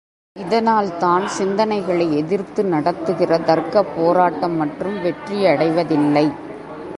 இதனால்தான் சிந்தனைகளை எதிர்த்து நடத்துகிற தர்க்கப் போராட்டம் மட்டும் வெற்றியடைவதில்லை.